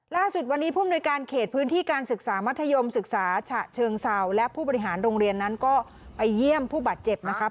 ล่าสุดวันนี้ผู้มนุยการเขตพื้นที่การศึกษามัธยมศึกษาฉะเชิงเศร้าและผู้บริหารโรงเรียนนั้นก็ไปเยี่ยมผู้บาดเจ็บนะครับ